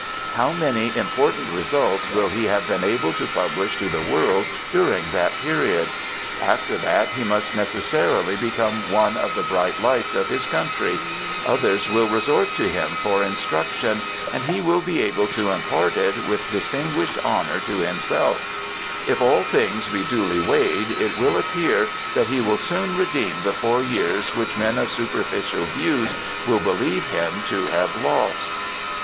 How many important results will he have been able to publish to the world during that period ! After that he must necessarily become one of the bright lights of his country ; others will resort to him for instruction, and he will be able to impart it with distinguished honour to himself If all things be duly weighed, it will appear that he will soon redeem the four years, which men of superficial views will believe him to have lost.'